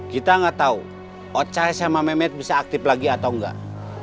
kita gak tahu ocah sama mehmet bisa aktif lagi atau enggak